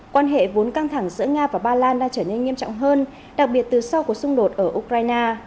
quan hệ vốn căng thẳng giữa nga và ba lan đã trở nên nghiêm trọng hơn đặc biệt từ sau cuộc xung đột ở ukraine